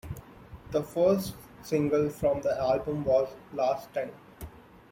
The first single from the album was "Last Time".